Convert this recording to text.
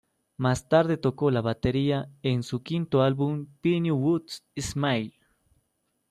Más tarde tocó la batería en su quinto álbum Pinewood Smile.